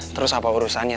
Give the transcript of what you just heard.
terus apa urusannya